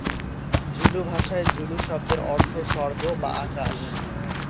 Zulu ভাষঅয় "Zulu" শব্দের অর্থ "স্বর্গ" বা "আকাশ"।